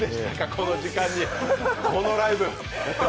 この時間にこのライブ。